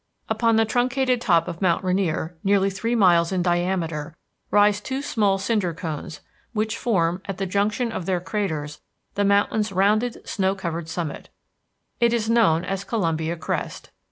Upon the truncated top of Mount Rainier, nearly three miles in diameter, rise two small cinder cones which form, at the junction of their craters, the mountain's rounded snow covered summit. It is known as Columbia Crest.